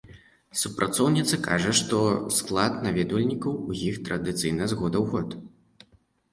Супрацоўніца кажа, што склад наведвальнікаў у іх традыцыйны з года ў год.